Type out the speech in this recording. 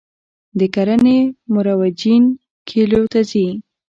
د کرنې مرویجین کلیو ته ځي